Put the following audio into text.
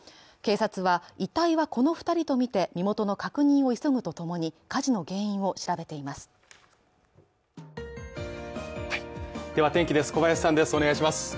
警察は、遺体はこの２人とみて身元の確認を急ぐとともに火事の原因を調べています。